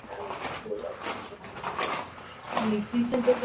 De Bach dejó un inigualable patrimonio de grabaciones.